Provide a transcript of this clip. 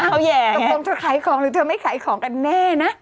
เอาแห่ตกลงเธอขายของหรือเธอไม่ขายของกันแน่นะ